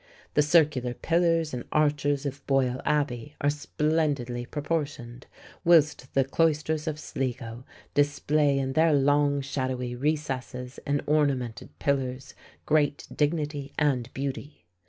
The circular pillars and arches of Boyle Abbey are splendidly proportioned, whilst the cloisters of Sligo display in their long, shadowy recesses and ornamented pillars great dignity and beauty.